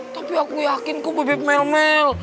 tapi aku yakin kok bebep melmel